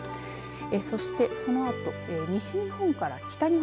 そしてそのあと西日本から北日本